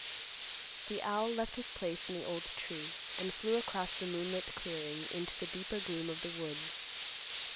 The owl left his place in the old tree and flew across the moonlit clearing into the deeper gloom of the woods.